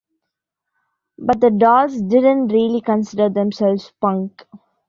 But the Dolls didn't really consider themselves punk.